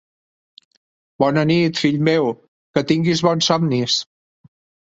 Bona nit, fill meu. Qui tinguis bons somnis.